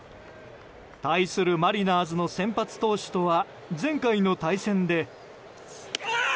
対するマリナーズの先発投手とは前回の対戦で。